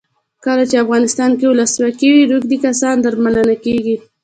کله چې افغانستان کې ولسواکي وي روږدي کسان درملنه کیږي.